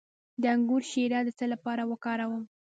د انګور شیره د څه لپاره وکاروم؟